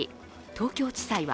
東京地裁は